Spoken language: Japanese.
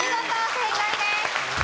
正解です。